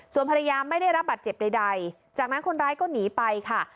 ส่วนภรรยาไม่ได้รับบัตรเจ็บใดจากนั้นคนร้ายก็หนีไปค่ะ